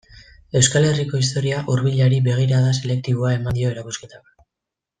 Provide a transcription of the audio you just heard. Euskal Herriko historia hurbilari begirada selektiboa eman dio erakusketak.